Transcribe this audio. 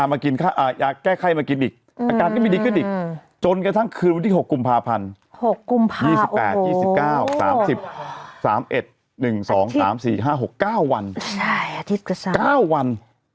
มากินยาแก้ไข้มากินอีกอาการก็ไม่ดีขึ้นอีกจนกระทั่งคืนวันที่๖กุมภาพันธ์๖กุมภา๒๘๒๙๓๑๑๒๓๔๕๖๙วันอาทิตย์๙วัน